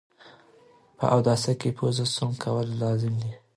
په اوداسه کي پوزه سوڼ کول لازم ده